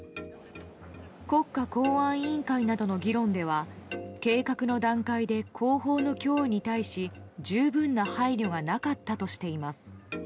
国家公安委員会などの議論では計画の段階で後方の脅威に対し十分な配慮がなかったとしています。